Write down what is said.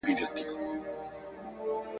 د تقدیر لوبه روانه پر خپل پله وه !.